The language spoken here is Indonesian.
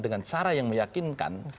dengan cara yang meyakinkan